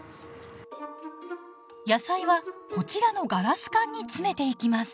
野菜はこちらのガラス管に詰めていきます。